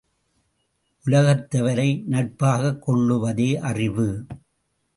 உலகத்தவரை நட்பாகக் கொள்ளுவதே அறிவு!